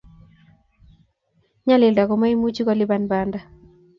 nyalilda komaimuchi kolipan panda a